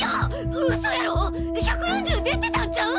うそやろ⁉１４０出てたんちゃうん！